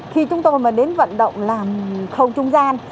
khi chúng tôi mà đến vận động làm khâu trung gian